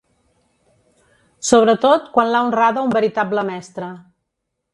Sobretot quan l'ha honrada un veritable mestre